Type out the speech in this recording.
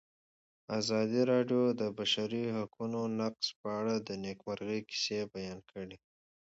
ازادي راډیو د د بشري حقونو نقض په اړه د نېکمرغۍ کیسې بیان کړې.